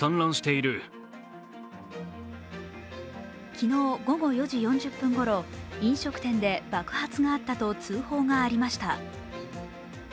昨日午後４時４０分ごろ飲食店で爆発があったと通報がありました。